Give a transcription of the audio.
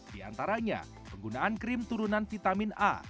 diantaranya penggunaan krim turunan vitamin a